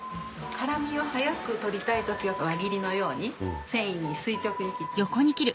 辛みを早く取りたい時は輪切りのように繊維に垂直に切っていきます。